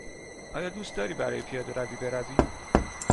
آیا دوست داری برای پیاده روی بروی؟